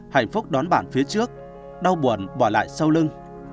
hạnh phúc đón bản phía trước đau buồn bỏ lại sau lưng